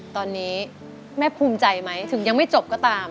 ตอนนี้แม่ภูมิใจไหมถึงยังไม่จบก็ตาม